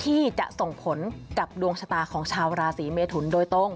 ที่จะส่งผลกับดวงชะตาของชาวราศีเมทุนโดยตรง